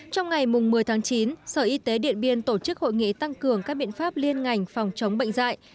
trong ngày một mươi tháng chín sở y tế điện biên tổ chức hội nghị tăng cường các biện pháp liên ngành phòng chống bệnh dạy